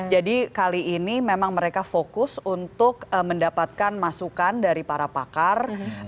jadi kali ini memang mereka fokus untuk mendapatkan masukan dari para pakar